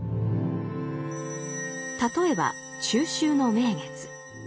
例えば中秋の名月。